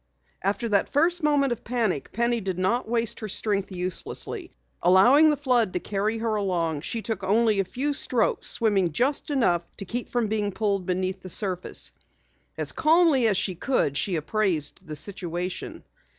After that first moment of panic, Penny did not waste her strength uselessly. Allowing the flood to carry her along, she took only a few slow strokes, swimming just enough to keep from being pulled beneath the surface. As calmly as she could she appraised the situation.